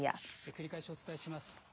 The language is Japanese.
繰り返しお伝えします。